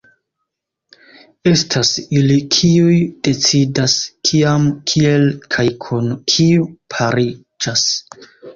Estas ili kiuj decidas kiam, kiel kaj kun kiu pariĝas.